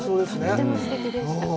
とてもすてきでした。